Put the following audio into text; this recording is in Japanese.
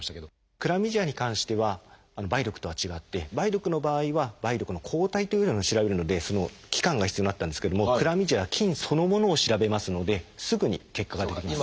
クラミジアに関しては梅毒とは違って梅毒の場合は梅毒の抗体というのを調べるのでその期間が必要になってたんですけどもクラミジアは菌そのものを調べますのですぐに結果が出てきます。